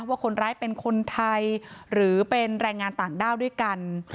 ว่าคนร้ายเป็นคนไทยหรือเป็นแรงงานต่างด้าวด้วยกัน